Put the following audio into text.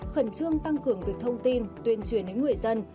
khẩn trương tăng cường việc thông tin tuyên truyền đến người dân